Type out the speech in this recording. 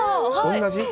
同じ？